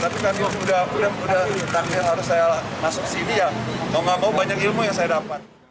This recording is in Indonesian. tapi karena sudah takdir harus saya masuk sini ya mau gak mau banyak ilmu yang saya dapat